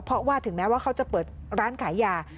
เพราะว่าถึงแม้ว่าเขาจะเปิดร้านขายยา